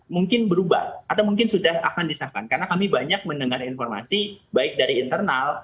mungkin berubah atau mungkin sudah akan disahkan karena kami banyak mendengar informasi baik dari internal